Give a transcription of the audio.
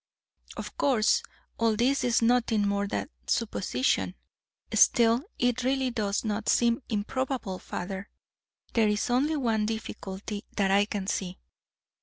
Of course, all this is nothing more than supposition, still it really does not seem improbable, father. There is only one difficulty that I can see.